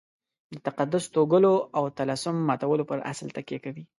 د تقدس توږلو او طلسم ماتولو پر اصل تکیه کوي.